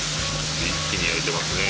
一気に焼いてますね。